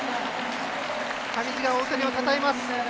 上地が大谷をたたえます。